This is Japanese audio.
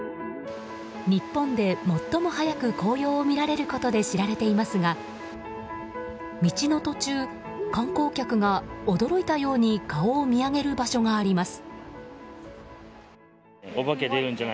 日本で最も早く紅葉を見られることで知られていますが道の途中、観光客が驚いたように顔を見上げる場所があります。